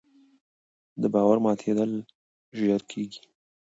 د باور ماتېدل ژر کېږي